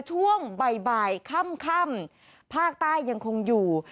ช่วงบ่ายค่ำภาคใต้ยังคงอยู่